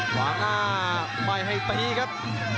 ขวางหน้าไม่ให้ตีครับ